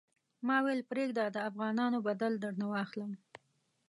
ما ویل پرېږده د افغانانو بدل درنه واخلم.